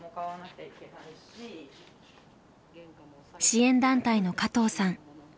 支援団体の加藤さん。